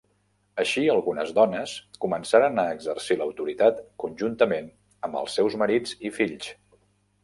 Així, algunes dones començaren a exercir l’autoritat conjuntament amb els seus marits i fils.